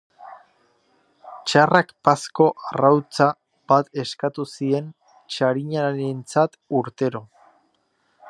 Tsarrak pazko arrautza bat eskatu zien tsarinarentzat urtero.